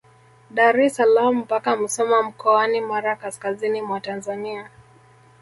Dar es salaam mpaka Musoma mkoani Mara kaskazini mwa Tanzania